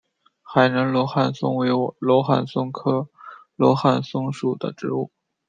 海南罗汉松为罗汉松科罗汉松属的植物。